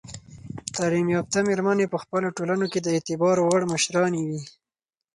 تعلیم یافته میرمنې په خپلو ټولنو کې د اعتبار وړ مشرانې وي.